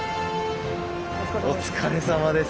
お疲れさまです。